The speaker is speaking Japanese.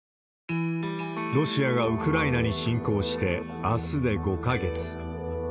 ロシアがウクライナに侵攻して、あすで５か月。